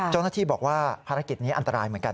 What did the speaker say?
เจ้าหน้าที่บอกว่าภารกิจนี้อันตรายเหมือนกัน